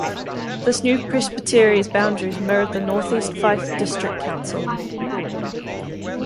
This new Presbytery's boundaries mirrored the North East Fife District Council.